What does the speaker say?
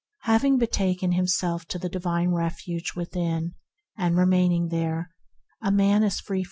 Having betaken himself to the Divine Refuge within, and remaining there, a man is free.